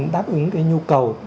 đáp ứng cái nhu cầu